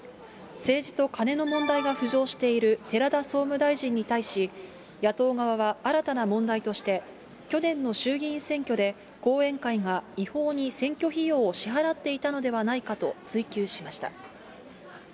政治と金の問題が浮上している寺田総務大臣に対し、野党側は新たな問題として、去年の衆議院選挙で、後援会が、違法に選挙費用を支払っていたのではないかと追及しました。